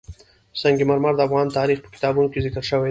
سنگ مرمر د افغان تاریخ په کتابونو کې ذکر شوی دي.